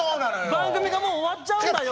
番組がもう終わっちゃうんだよ。